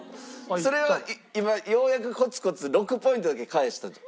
それを今ようやくコツコツ６ポイントだけ返した段階です。